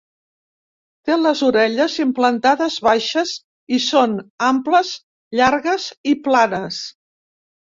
Té les orelles implantades baixes i són amples, llargues i planes.